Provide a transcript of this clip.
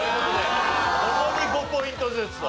共に５ポイントずつと。